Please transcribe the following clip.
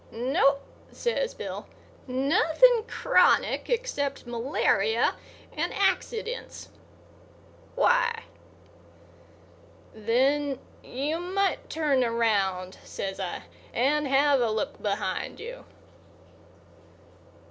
"No," says Bill, "nothing chronic except malaria and accidents. Why?" "Then you might turn around," says I, "and have a took behind you."